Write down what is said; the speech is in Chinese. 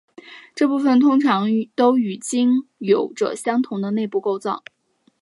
这部分通常都与茎有着相同的内部构造。